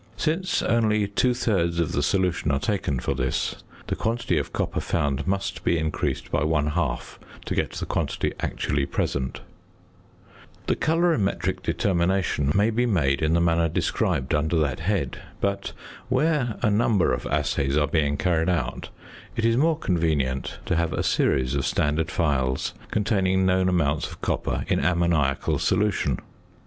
Since only two thirds of the solution are taken for this, the quantity of copper found must be increased by one half to get the quantity actually present. [Illustration: FIG. 55.] The ~colorimetric determination~ may be made in the manner described under that head, but where a number of assays are being carried out it is more convenient to have a series of standard phials containing known amounts of copper in ammoniacal solution.